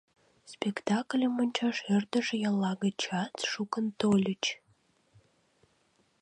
Спектакльым ончаш ӧрдыж ялла гычат шукын тольыч.